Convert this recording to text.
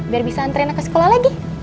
biar bisa nganterin reina ke sekolah lagi